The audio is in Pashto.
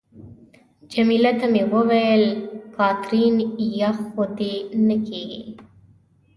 جميله ته مې وویل: کاترین، یخ خو دې نه کېږي؟